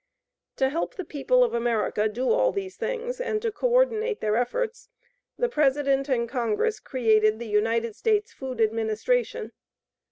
To help the people of America do all these things, and to coordinate their efforts, the President and Congress created the United States Food Administration.